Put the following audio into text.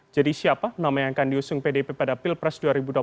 jadi siapa nama yang akan diusung pdip pada pilpres dua ribu dua puluh empat